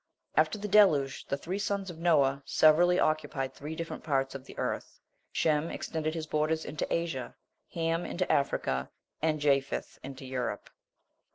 * After the deluge, the three sons of Noah severally occupied three different parts of the earth: Shem extended his borders into Asia, Ham into Africa, and Japheth in Europe.